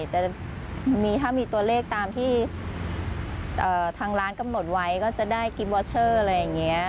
แต่ถ้ามีตัวเลขตามที่ทางร้านกำหนดไว้ก็จะได้กิมวอเชอร์อะไรอย่างนี้